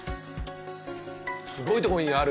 すごいとこにある！